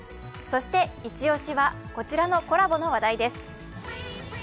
そしてイチ押しはこちらのコラボの話題です。